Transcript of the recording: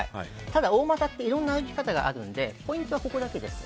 ただ、大股っていろんな歩き方があるのでポイントはここだけです。